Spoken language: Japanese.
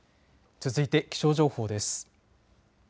続いて気象情報です。